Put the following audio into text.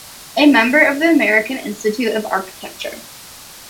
A member of the American Institute of Architecture.